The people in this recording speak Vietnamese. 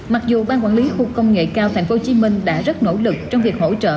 mặc dù ban quản lý khu công nghệ cao tp hcm đã rất nỗ lực trong việc hỗ trợ